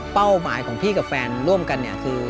เป้าหมายของพี่กับแฟนร่วมกันคือ